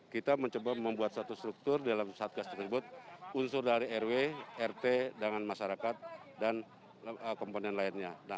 kita mencoba membuat satu struktur dalam satgas tersebut unsur dari rw rt dengan masyarakat dan komponen lainnya